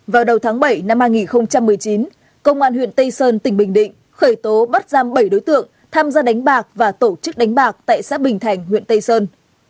vào đầu tháng bảy năm hai nghìn một mươi chín công an huyện tây sơn tỉnh bình định khởi tố bắt giam bảy đối tượng tham gia đánh bạc và tổ chức đánh bạc tại xã bình thành huyện tây sơn